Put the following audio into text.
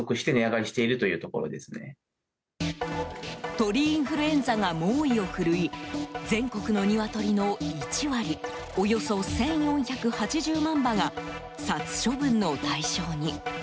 鳥インフルエンザが猛威を振るい全国の鶏の１割およそ１４８０万羽が殺処分の対象に。